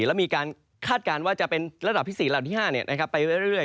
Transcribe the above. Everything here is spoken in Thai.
แล้วมีการคาดการณ์ว่าจะเป็นระดับที่๔ระดับที่๕ไปเรื่อย